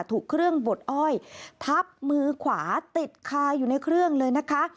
ถูกเครื่องบดอ้อยทับมือขวาติดคาอยู่ในเครื่องเลยนะคะ